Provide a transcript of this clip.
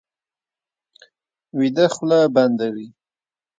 ویده خوله بنده وي